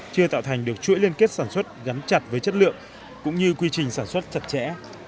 chưa tạo thành được chuỗi liên kết sản xuất gắn chặt với chất lượng cũng như quy trình sản xuất chặt chẽ